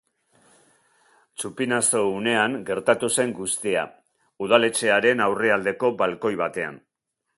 Txupinazo unean gertatu zen guztia, udaletxearen aurrealdeko balkoi batean.